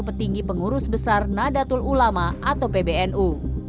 petinggi pengurus besar nadatul ulama atau pbnu